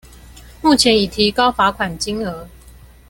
目前已提高罰款金額